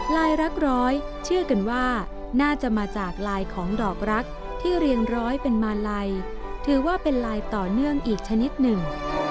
ลายรักร้อยเชื่อกันว่าน่าจะมาจากลายของดอกรักที่เรียงร้อยเป็นมาลัยถือว่าเป็นลายต่อเนื่องอีกชนิดหนึ่ง